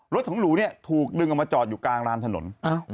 รถของหนูเนี่ยถูกดึงออกมาจอดอยู่กลางรานถนน